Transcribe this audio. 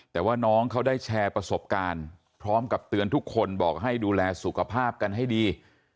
แต่ว่าน้องเขาได้แชร์ประสบการณ์พร้อมกับเตือนทุกคนบอกให้ดูแลสุขภาพกันให้ดี